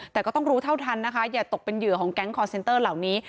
แต่ก็ต้องรู้เท่าทันนะคะอย่าตกเป็นเหยื่อของแก๊งคอร์เซนเตอร์เหล่านี้